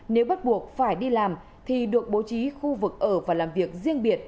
nếu bắt buộc phải đi làm thì được bố trí khu vực ở và làm việc riêng biệt